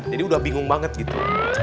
jadi udah bingung banget gitu